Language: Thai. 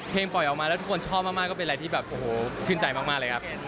เพลงปล่อยออกมาแล้วทุกคนชอบมากก็เป็นอะไรที่ชื่นใจมากเลยครับ